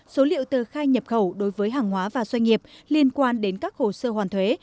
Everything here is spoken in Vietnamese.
số liệu tờ khai nhập khẩu đối với hàng hóa và doanh nghiệp liên quan đến các hồ sơ hoàn thuế